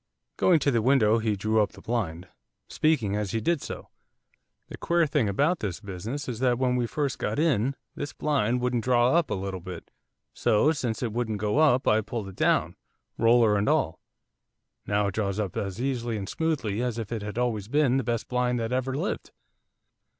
Going to the window he drew up the blind, speaking as he did so. 'The queer thing about this business is that when we first got in this blind wouldn't draw up a little bit, so, since it wouldn't go up I pulled it down, roller and all, now it draws up as easily and smoothly as if it had always been the best blind that ever lived.